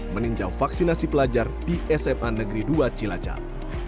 meninjau vaksinasi pelajar di sma negeri dua cilacap